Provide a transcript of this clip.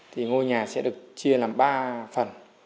thì ngôi nhà sẽ được chia làm ba phần